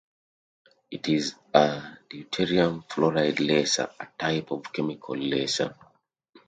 It is a deuterium fluoride laser, a type of chemical laser.